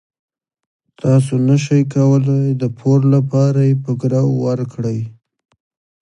تاسو نشئ کولای د پور لپاره یې په ګرو ورکړئ.